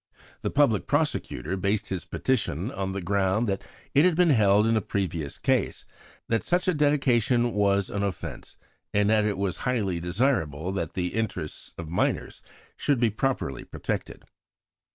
The Public Prosecutor based his petition on the ground that it had been held in a previous case 'that such a dedication was an offence, and that it was highly desirable that the interests of minors should be properly protected.'